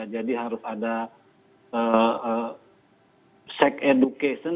jadi harus ada sex education